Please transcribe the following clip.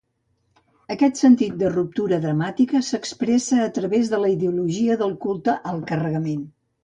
Aquest sentit de ruptura dramàtica s'expressa a través de la ideologia del culte al carregament.